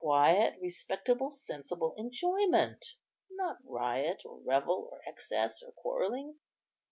Quiet, respectable, sensible enjoyment; not riot, or revel, or excess, or quarrelling.